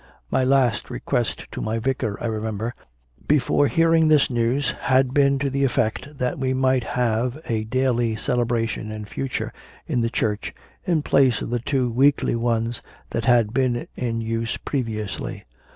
My last request to my Vicar, I remember, before hearing this news, had been to the effect that we night have a daily cele bration in future in the church, in place of the two weekly ones that had been in use previously.